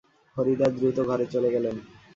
ফরিদা দ্রুত ঘরে চলে গেলেন।